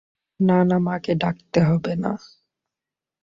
না না, মাকে ডাকতে হবে না।